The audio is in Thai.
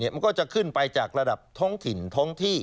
มันก็จะขึ้นไปจากระดับท้องถิ่นท้องที่